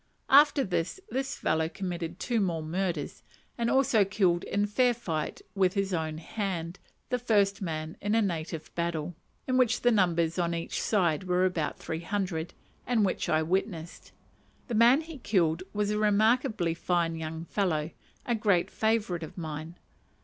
After this, this fellow committed two more murders, and also killed in fair fight with his own hand the first man in a native battle, in which the numbers on each side were about three hundred, and which I witnessed. The man he killed was a remarkably fine young fellow, a great favourite of mine.